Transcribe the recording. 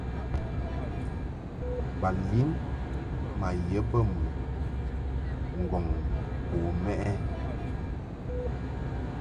Ba lin ma ye bə mɨ ŋgɔŋ bo wuʼ ɛ ?